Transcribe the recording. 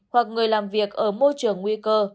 hoặc người làm việc ở môi trường nguy cơ